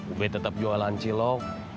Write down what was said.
ube tetap jualan cilok